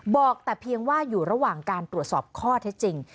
บอกแต่เพียงว่าอยู่ระหว่างการตรวจสอบข้อเท็จจริง